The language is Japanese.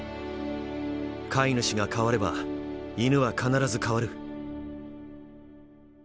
飼い主が変われば犬は必ず変わる。